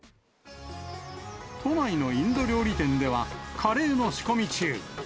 都内のインド料理店では、カレーの仕込み中。